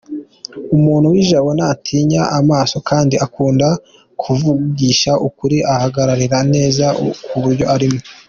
Umuntu w’ijabo ntatinya amaso kandi akunda kuvugisha ukuri ahagarara neza ku byo arimo.